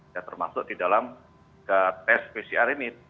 ya termasuk di dalam tes pcr ini